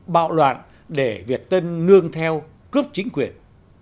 bạo loạn để việt tân nương theo cướp chính quyền